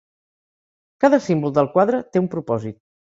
Cada símbol del quadre té un propòsit.